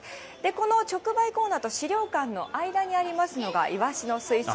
この直売コーナーと資料館の間にありますのが、イワシの水槽。